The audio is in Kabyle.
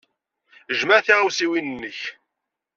Jmeɛ tiɣawsiwin-nnek.